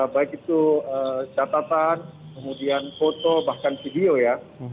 baik itu catatan kemudian foto bahkan video ya